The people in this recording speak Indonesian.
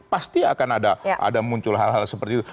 pasti akan ada muncul hal hal seperti itu